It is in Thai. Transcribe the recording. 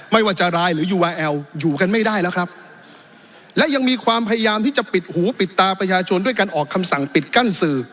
ไม่ว่าจะรายหรือยูวาแอลอยู่กันไม่ได้แล้วครับและยังมีความพยายามที่จะปิดหูปิดตาประชาชนด้วยการออกคำสั่งปิดกั้นสื่อ